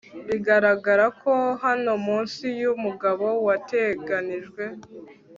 bigaragara ko hano munsi yumugabo wateganijwe